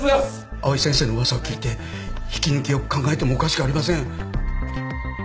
藍井先生の噂を聞いて引き抜きを考えてもおかしくありません。